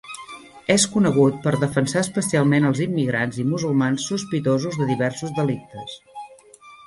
És conegut per defensar especialment els immigrants i musulmans sospitosos de diversos delictes.